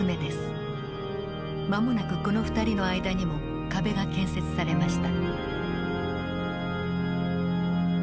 間もなくこの２人の間にも壁が建設されました。